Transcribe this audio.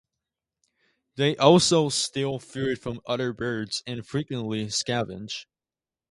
They also steal food from other birds and frequently scavenge.